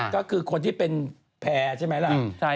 ก็คือคนที่เป็นแพร่ใช่ไหมล่ะ